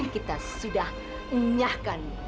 kita sudah nyahkan